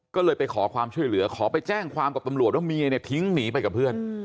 ก็เลยไปขอความช่วยเหลือขอไปแจ้งความกับตำรวจว่าเมียเนี่ยทิ้งหนีไปกับเพื่อน